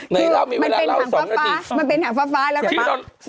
ไหนเล่ามีเวลาเล่า๒นาทีมันเป็นถังฟ้าแล้วก็ใช่ปะ